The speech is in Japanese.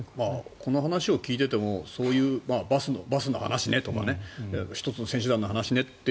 この話を聞いていてもバスの話ねとか１つの選手団の話ねって。